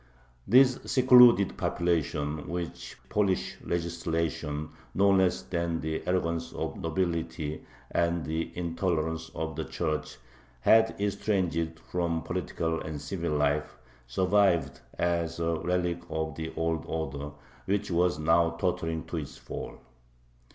This secluded population, which Polish legislation no less than the arrogance of the nobility and the intolerance of the Church had estranged from political and civil life, survived as a relic of the old order, which was now tottering to its fall.